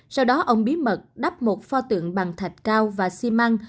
sau đó ông bí mật đắp một pho tượng bằng thạch cao và xi măng